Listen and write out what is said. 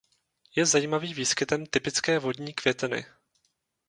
Je zajímavý výskytem typické vodní květeny.